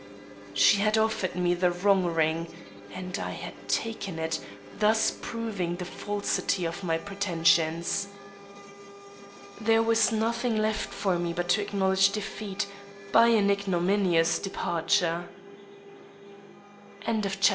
She had offered me the wrong ring, and I had taken it, thus proving the falsity of my pretensions. There was nothing left for me but to acknowledge defeat by an ignominious departure. IV. CHECKMATE.